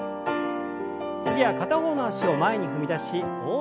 次は片方の脚を前に踏み出し大きく胸を開きます。